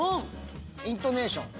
イントネーション。